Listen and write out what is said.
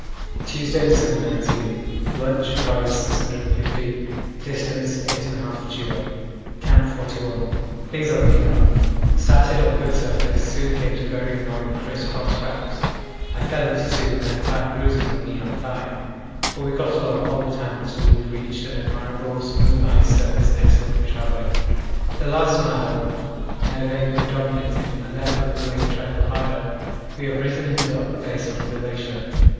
Tuesday, December 19. Lunch, rise 650. Dist. 8 1/2 geo. Camp 41. Things are looking up. Started on good surface, soon came to very annoying criss cross cracks. I fell into two and have bad bruises on knee and thigh, but we got along all the time until we reached an admirable smooth ice surface excellent for travelling. The last mile, névé predominating and therefore the pulling a trifle harder, we have risen into the upper basin of the glacier.